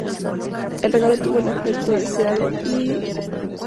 El regalo tuvo el efecto deseado, y Miecislao prometió emprender acción militar.